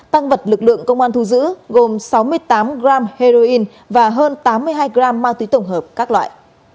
tăng vật lực lượng công an thu giữ gồm sáu mươi tám gram heroin và hơn tám mươi hai gram ma túy tổng hợp các loại